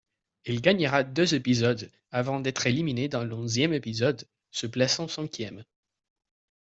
Elle gagnera deux épisodes avant d'être éliminée dans le onzième épisode, se plaçant cinquième.